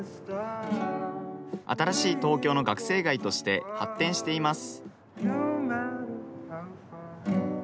新しい東京の学生街として発展しています。